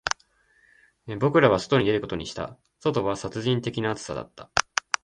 僕らは外に出ることにした、外は殺人的な暑さだった